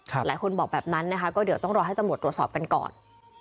หลายคนบอกแบบนั้นนะคะก็เดี๋ยวต้องรอให้ตำรวจตรวจสอบกันก่อน